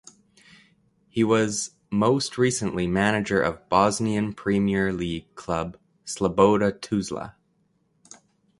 He was most recently manager of Bosnian Premier League club Sloboda Tuzla.